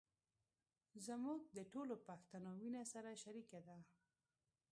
زموږ د ټولو پښتنو وينه سره شریکه ده.